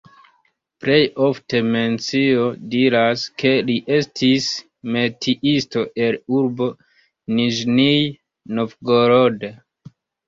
Plej ofte mencio diras, ke li estis metiisto el urbo Niĵnij Novgorod.